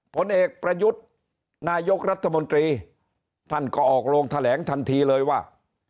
ผลเอกประยุทธ์นายกรัฐมนตรีท่านก็ออกโรงแถลงทันทีเลยว่า